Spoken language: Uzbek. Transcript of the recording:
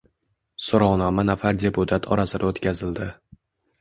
So'rovnoma nafar deputat orasida o'tkazildi.